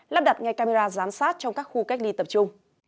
lắp đặt ngay camera giám sát trong các khu cách ly tập trung